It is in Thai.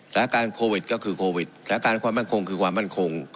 สถานการณ์โควิดก็คือโควิดสถานการณ์ความมั่นคงคือความมั่นคง